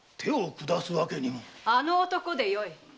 あの男でよい。